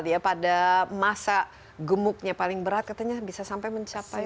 dia pada masa gemuknya paling berat katanya bisa sampai mencapai